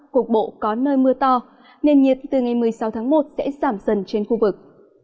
cục bộ có nơi mưa to nền nhiệt từ ngày một mươi sáu tháng một sẽ giảm dần trên khu vực